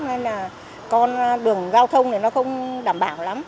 nên là con đường giao thông này nó không đảm bảo lắm